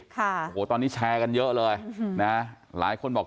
ค่ะโอ้โหตอนนี้แชร์กันเยอะเลยนะหลายคนบอก